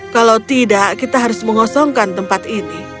kalau tidak kita harus mengosongkan tempat ini